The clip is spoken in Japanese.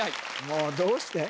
もうどうして？